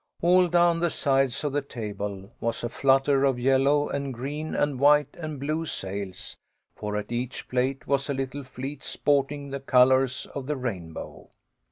All down the sides of the table was a flutter of yellow and green and white and blue sails, for at each plate was a little fleet sporting the colours of the rainbow.